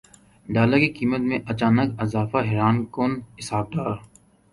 dollar کی قیمت میں اچانک اضافہ حیران کن ہے اسحاق ڈار